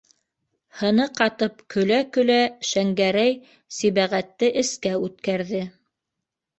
- Һыны ҡатып көлә-көлә, Шәңгәрәй Сибәғәтте эскә үткәрҙе.